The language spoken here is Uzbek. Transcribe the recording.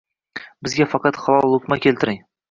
Bizga faqat halol luqma keltiring.